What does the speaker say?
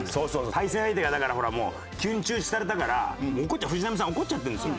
対戦相手がだからほらもう急に中止されたから藤波さん怒っちゃってるんですよ